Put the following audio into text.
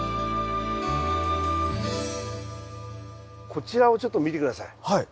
こちらをちょっと見て下さい。